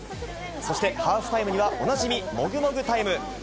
そして、ハーフタイムにはおなじみ、もぐもぐタイム。